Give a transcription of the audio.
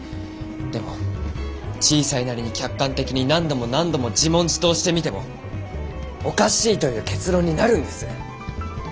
でも小さいなりに客観的に何度も何度も自問自答してみてもおかしいという結論になるんです。